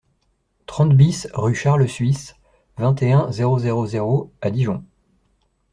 trente BIS rue Charles Suisse, vingt et un, zéro zéro zéro à Dijon